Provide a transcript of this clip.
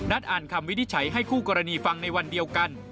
อ่านคำวินิจฉัยให้คู่กรณีฟังในวันเดียวกัน